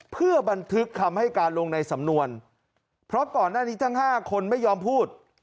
เพื่อบันทึกคำให้การลงในสำนวนเพราะก่อนหน้านี้ทั้ง๕คนไม่ยอมพูด